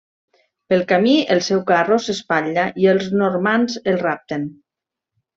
Pel camí, el seu carro s'espatlla i els normands el rapten.